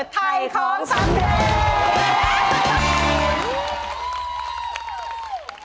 ถ่ายของสำเร็จ